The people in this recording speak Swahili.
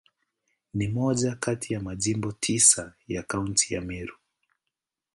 Ni moja kati ya Majimbo tisa ya Kaunti ya Meru.